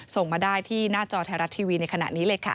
ส่งมาได้ที่หน้าจอไทยรัฐทีวีในขณะนี้เลยค่ะ